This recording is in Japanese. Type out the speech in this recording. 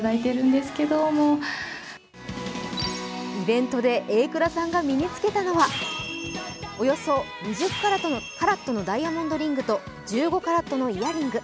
イベントで榮倉さんが身につけたのはおよそ２０カラットのダイヤモンドリングと１５カラットのイヤリング。